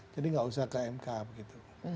jadi enggak usah ke mk begitu